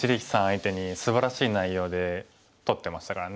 相手にすばらしい内容で取ってましたからね。